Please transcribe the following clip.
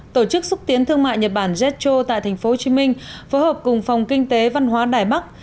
tổ chức xúc tiến thương mại nhật bản jetro tại tp hcm phối hợp cùng phòng kinh tế văn hóa đài bắc